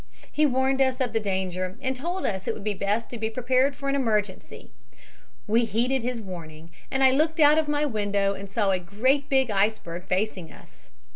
He warned us of the danger and told us that it would be best to be prepared for an emergency. We heeded his warning, and I looked out of my window and saw a great big iceberg facing us.